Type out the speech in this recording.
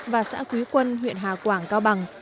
và xã quý quân huyện hà quảng cao bằng